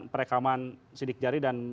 perekaman sidik jari dan